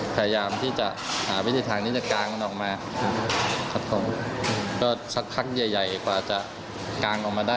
พยายามที่จะหาวิธีทางที่จะกางมันออกมา